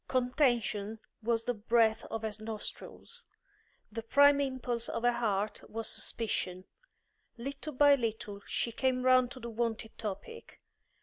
Contention was the breath of her nostrils; the prime impulse of her heart was suspicion. Little by little she came round to the wonted topic.